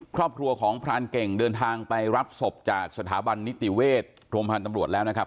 ครอบครัวของพรานเก่งเดินทางไปรับศพจากสถาบันนิติเวชโรงพยาบาลตำรวจแล้วนะครับ